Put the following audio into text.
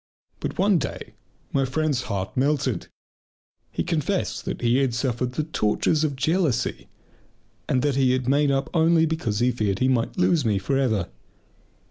But one day my friend's heart melted. He confessed that he had suffered the tortures of jealousy, and that he made up only because he feared he might lose me for ever.